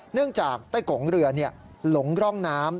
เนื่องจากใต้กลงเรือหลงร่องน้ำ